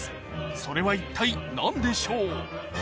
それは一体何でしょう？